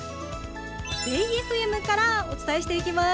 「ベイエフエム」からお伝えしていきます。